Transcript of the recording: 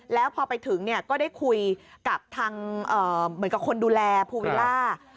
แล้วพอไปถึงก็ได้คุยกับทางคนดูแลภูวิลล่า